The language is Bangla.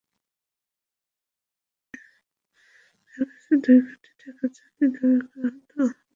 প্রথম দিকে তাঁর কাছে দুই কোটি টাকা চাঁদা দাবি করা হতো।